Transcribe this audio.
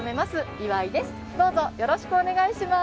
岩井ですどうぞよろしくお願いします